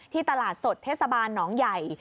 ตลาดสดเทศบาลหนองใหญ่